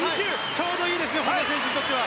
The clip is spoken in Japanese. ちょうどいいですね本多選手にとっては。